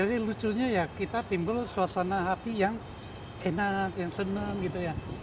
jadi lucunya ya kita timbul suasana hati yang enak yang senang gitu ya